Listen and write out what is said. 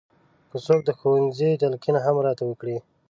که څوک د ښوونځي تلقین هم راته وکړي.